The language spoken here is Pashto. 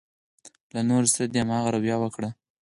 له نورو سره دې هماغه رويه وکړي.